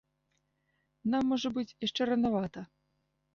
Нам, можа быць, яшчэ ранавата.